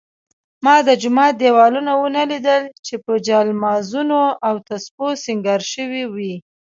ما د جومات دېوالونه ونه لیدل چې په جالمازونو او تسپو سینګار شوي وي.